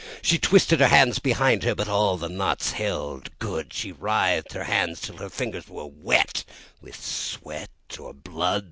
She twisted her hands behind her, but all the knots held good! She writhed her hands till her fingers were wet with sweat or blood!